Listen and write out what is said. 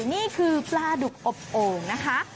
นี่คือปลาดุกอบโอ่งนะคะ